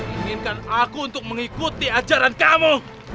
inginkan aku untuk mengikuti ajaran kamu